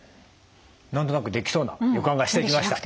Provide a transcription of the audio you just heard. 何となくできそうな予感がしてきました。